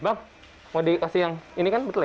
bang mau dikasih yang ini kan betul ya